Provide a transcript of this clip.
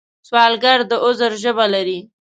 سوالګر د عذر ژبه لري